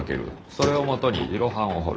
それをもとに色版を彫る。